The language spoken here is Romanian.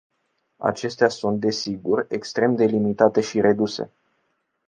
Acestea sunt, desigur, extrem de limitate și reduse.